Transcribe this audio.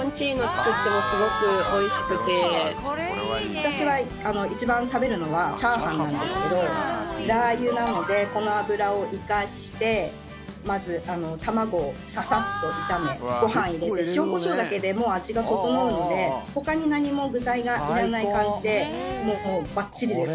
私は一番食べるのがチャーハンなんですけどラー油なのでこの油を生かしてまず卵をササッと炒めご飯を入れて塩コショウだけで味が整うのでほかに何も具材がいらない感じでもうバッチリです！